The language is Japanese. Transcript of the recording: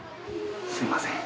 すいません。